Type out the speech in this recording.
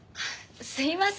すいません。